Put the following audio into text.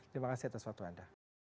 terima kasih atas waktu anda